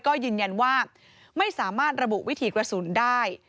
ก็ยืนยันว่าไม่สามารถระบุวิถีกระสุนได้